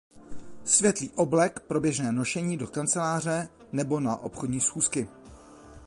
Světlý oblek pro běžné nošení do kanceláře nebo na obchodní schůzky.